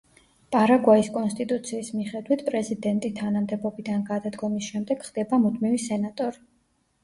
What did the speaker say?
პარაგვაის კონსტიტუციის მიხედვით პრეზიდენტი თანამდებობიდან გადადგომის შემდეგ ხდება მუდმივი სენატორი.